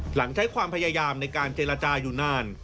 ใช้ความพยายามในการเจรจาอยู่นาน